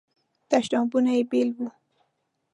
تشنابونه یې بیل وو.